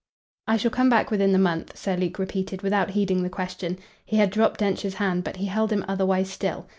"I shall come back within the month," Sir Luke repeated without heeding the question. He had dropped Densher's hand, but he held him otherwise still.